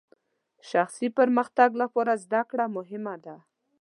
شخصي پرمختګ لپاره زدهکړه مهمه ده.